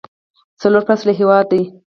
څلور فصله هیواد دی.